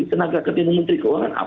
tenaga ketiga menteri keuangan apa